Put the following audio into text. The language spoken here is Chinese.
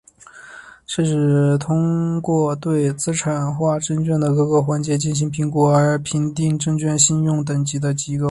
是指通过对资产证券化的各个环节进行评估而评定证券信用等级的机构。